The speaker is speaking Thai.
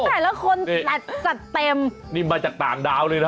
ต่างนี่มาจากต่างดาวเลยนะ